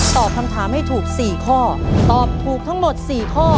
ตอบคำถามให้ถูก๔ข้อตอบถูกทั้งหมด๔ข้อ